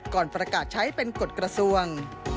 ก่อนประกาศใช้เป็นกฎกระทรวง